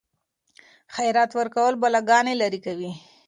خیرات ورکول بلاګانې لیرې کوي.